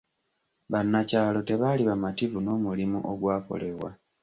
Bannakyalo tebaali bamativu n'omulimu ogwakolebwa.